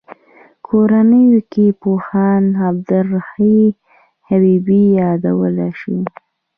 کورنیو کې پوهاند عبدالحی حبیبي یادولای شو.